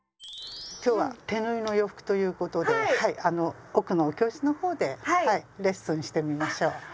今日は手縫いの洋服ということで奥のお教室の方でレッスンしてみましょう。